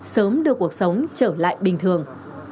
sớm đưa cuộc sống trở lại bình thường